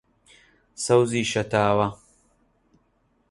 سەوزی شەتاوە